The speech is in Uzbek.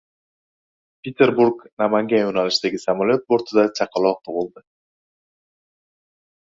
Peterburg - Namangan yo‘nalishidagi samolyot bortida chaqaloq tug‘ildi